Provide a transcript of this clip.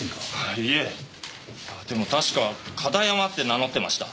いえでも確かカタヤマって名乗ってました。